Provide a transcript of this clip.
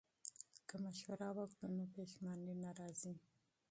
که مشوره وکړو نو پښیماني نه راځي.